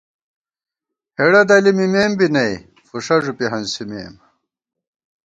ہېڑہ دلی مِمېم بی نئ، فُوݭہ ݫُوپی ہنسِمېم